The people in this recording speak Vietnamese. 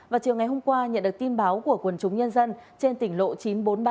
vào chiều ngày hôm qua nhận được tin báo của quần chúng nhân dân trên tỉnh lộ chín trăm bốn mươi ba